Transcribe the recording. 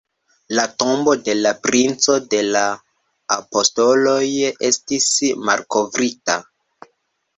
La tombo de la Princo de la Apostoloj estis malkovrita”.